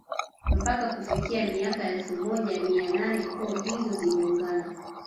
Mpaka kufikia miaka ya elfu moja mia nane koo hizo ziliungana